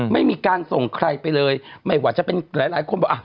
ไม่มีการส่งใครไปเลยไม่ว่าจะเป็นหลายหลายคนบอกอ่ะ